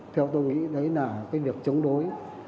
theo tôi nghĩ đấy là cái việc chống đối